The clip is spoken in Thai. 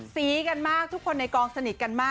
สีกันมากทุกคนในกองสนิท